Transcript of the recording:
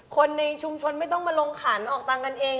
คนในชุมชนไม่ต้องมาลงขันออกตังค์กันเอง